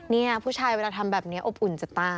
นี่ผู้ชายเวลาทำแบบนี้อบอุ่นจะตาย